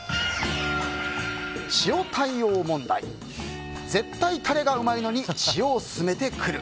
「塩対応問題ぜったいタレがうまいのに塩をすすめてくる。」。